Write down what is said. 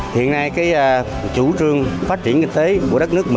huyện củ chi nằm về phía tây bắc của tp hcm